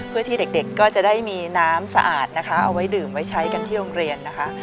เพื่อที่เด็กก็จะได้มีน้ำสะอาดนะคะเอาไว้ดื่มไว้ใช้กันที่โรงเรียนนะคะ